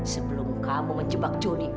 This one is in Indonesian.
sebelum kamu menjebak jody